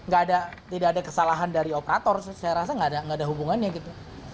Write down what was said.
gak ada kesalahan dari operator saya rasa nggak ada hubungannya gitu